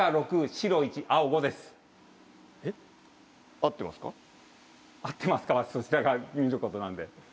「合ってますか」はそちらが見ることなんで。